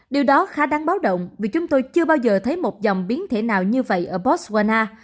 điều đó khá đáng báo động vì chúng tôi chưa bao giờ thấy một dòng biến thể nào như vậy ở poswana